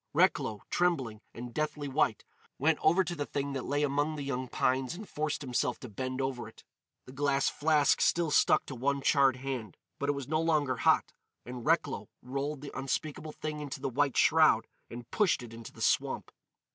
Recklow, trembling and deathly white, went over to the thing that lay among the young pines and forced himself to bend over it. The glass flask still stuck to one charred hand, but it was no longer hot. And Recklow rolled the unspeakable thing into the white shroud and pushed it into the swamp.